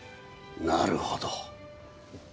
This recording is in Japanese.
なるほど。